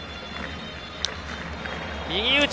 右打ち。